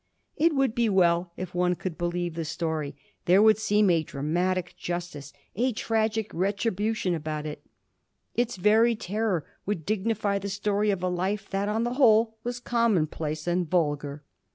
It would be well if one could believe the story ; there would seem a dramatic justice — a tragic retribution — about it. Its very terror would dignify the story of a life that, on the whole, was commonplace and vulgar.